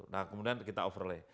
nah kemudian kita overlay